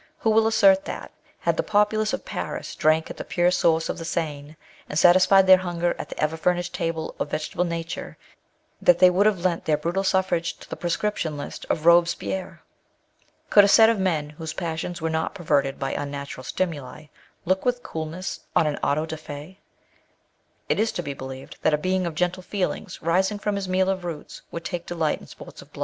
Who will assert that, had the populace of Paris drank at the pure source of the Seine, and satisfied their hunger at the ever famished table erf vegetable nature that they would have lent their brutal suffrage to the iMX)scription list of Robespierre % Could a set of men, whose passions were not perverted by unnatural stimuli, look with coolness on an auto dafif Is it to be believed that a being of gentle feelings, rising from his meal of roots, would take delight in sports of blood